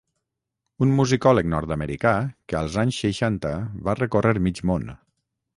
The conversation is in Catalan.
un musicòleg nord-americà que als anys seixanta va recórrer mig món